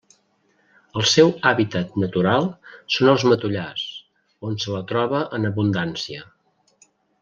El seu hàbitat natural són els matollars, on se la troba en abundància.